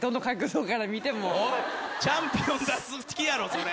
チャンピオン出す気やろそれ。